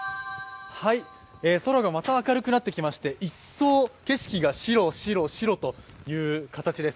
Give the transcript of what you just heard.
空がまた明るくなってきまして一層、景色が白、白、白という形です。